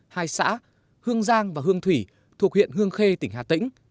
hai xã hương giang và hương thủy thuộc huyện hương khê tỉnh hà tĩnh